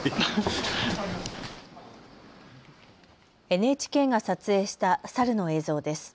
ＮＨＫが撮影したサルの映像です。